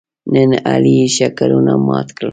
نن علي یې ښکرونه مات کړل.